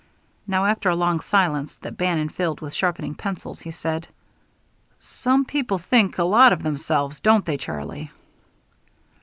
Now, after a long silence, that Bannon filled with sharpening pencils, he said: "Some people think a lot of themselves, don't they, Charlie?"